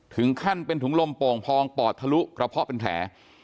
ถึงขั้นเป็นถุงลมโป่งพองปอดทะลุกระเพาะเป็นแผล